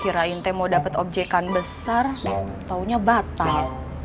kirain teh mau dapat objekan besar taunya batal